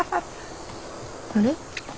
あれ？